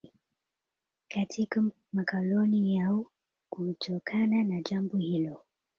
katika makoloni yao Kutokana na jambo hilo